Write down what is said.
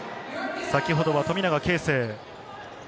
先ほどは富永啓生。